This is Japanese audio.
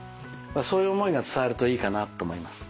そういう思いが伝わるといいかなと思います。